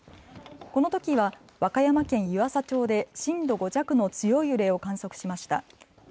このときは和歌山県湯浅町で震度５弱の強い揺れを観測しました。